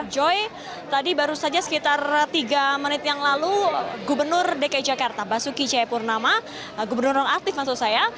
joy tadi baru saja sekitar tiga menit yang lalu gubernur dki jakarta basuki cepurnama gubernur nonaktif maksud saya